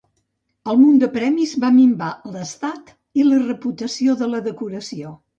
El munt de premis va minvar l"estat i la reputació de la decoració.